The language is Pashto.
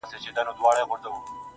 زما دردونه د دردونو ښوونځی غواړي,